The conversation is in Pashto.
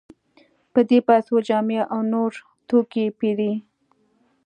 په دې پیسو جامې او نور توکي پېري.